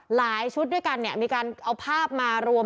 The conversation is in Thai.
หลายชุดด้วยกันเนี่ยมีการเอาภาพมารวม